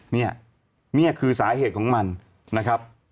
นี่นี่คือสาเหตุของมันนะครับ